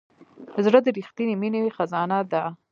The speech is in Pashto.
زړه د رښتینې مینې خزانه ده.